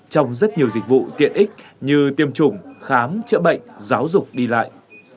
trong rất nhiều dịch vụ tiện ích như tiêm chủng khám chữa bệnh giáo dục đi lại